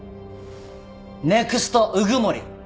ネクスト鵜久森。